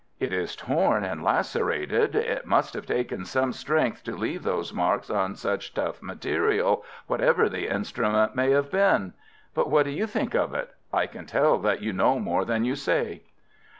"It is torn and lacerated. It must have taken some strength to leave these marks on such tough material, whatever the instrument may have been. But what do you think of it? I can tell that you know more than you say."